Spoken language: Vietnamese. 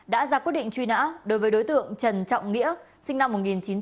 đã ra quyết định truy nã đối với đối tượng trần trọng nghĩa sinh năm một nghìn chín trăm tám mươi